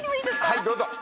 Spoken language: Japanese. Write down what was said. はいどうぞ。